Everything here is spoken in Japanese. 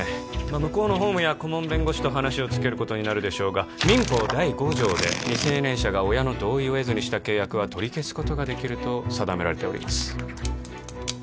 まあ向こうの法務や顧問弁護士と話をつけることになるでしょうが民法第５条で未成年者が親の同意を得ずにした契約は取り消すことができると定められております